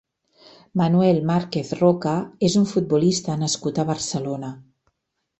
Manuel Márquez Roca és un futbolista nascut a Barcelona.